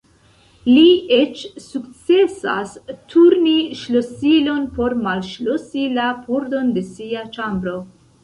Li eĉ sukcesas turni ŝlosilon por malŝlosi la pordon de sia ĉambro.